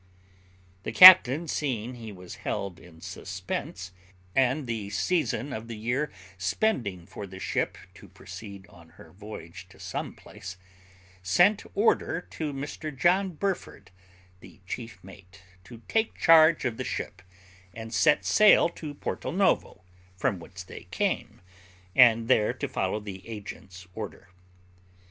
The captain seeing he was held in suspense, and the season of the year spending for the ship to proceed on her voyage to some place, sent order to Mr John Burford, the chief mate, to take charge of the ship, and set sail to Porto Novo, from whence they came, and there to follow the agent's order.